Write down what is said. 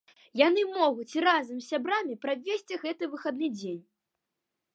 Яны могуць разам з сябрамі правесці гэты выхадны дзень.